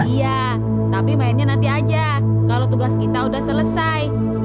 iya tapi mainnya nanti aja kalau tugas kita udah selesai